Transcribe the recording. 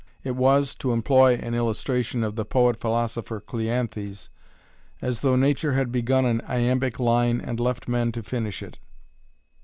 It was, to employ an illustration of the poet philosopher Cleanthes, as though Nature had begun an iambic line and left men to finish it.